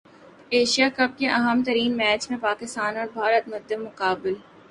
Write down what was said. Asia cup کے اہم ترین میچ میں پاکستان اور بھارت مد مقابل